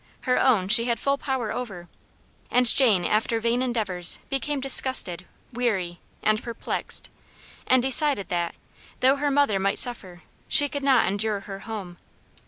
Her own, she had full power over; and Jane after vain endeavors, became disgusted, weary, and perplexed, and decided that, though her mother might suffer, she could not endure her home.